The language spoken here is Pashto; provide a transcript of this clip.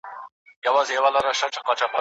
دې ساحل باندي څرک نسته د بيړیو